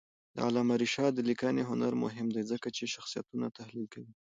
د علامه رشاد لیکنی هنر مهم دی ځکه چې شخصیتونه تحلیل کوي.